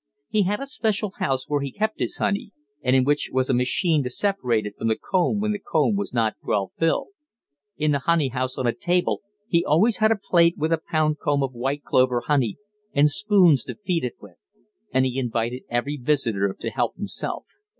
He had a special house where he kept his honey, and in which was a machine to separate it from the comb when the comb was not well filled. In the honey house on a table he always had a plate with a pound comb of white clover honey, and spoons to eat it with; and he invited every visitor to help himself.